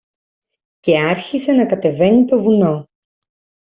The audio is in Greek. Και άρχισε να κατεβαίνει το βουνό.